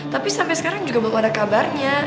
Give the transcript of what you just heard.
tapi sampai sekarang juga belum ada kabarnya